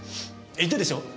言ったでしょ？